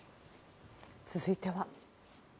続いては。